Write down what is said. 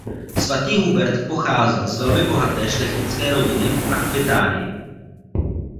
Svatý Hubert pocházel z velmi bohaté šlechtické rodiny v Akvitánii.